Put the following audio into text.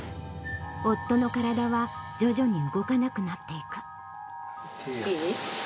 夫の体は徐々に動かなくなっいい？